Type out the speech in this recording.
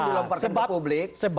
dalam pertempatan publik